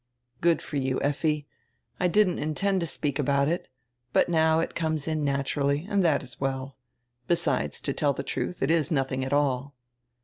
"Good for you, Effi. I didn't intend to speak about it. But now it comes in naturally, and that is well. Besides, to tell the truth, it is nothing at all."